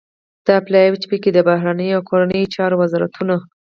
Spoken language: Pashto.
دا پلاوی چې پکې د بهرنیو او کورنیو چارو وزارتون